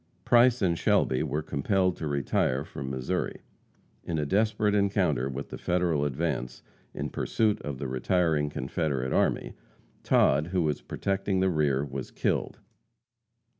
Price and Shelby were compelled to retire from Missouri. In a desperate encounter with the Federal advance, in pursuit of the retiring Confederate army, Todd, who was protecting the rear, was killed.